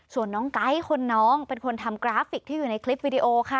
ส่วนน้องไก๊คนน้องเป็นคนทำกราฟิกที่อยู่ในคลิปวิดีโอค่ะ